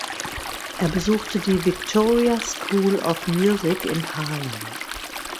Er besuchte die Victoria School of Music in Harlem.